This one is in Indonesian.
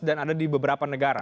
dan ada di beberapa negara